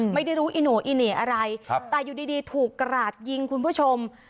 ไม่ได้รู้อิโน่อีเหน่อะไรแต่อยู่ดีถูกกราดยิงคุณผู้ชม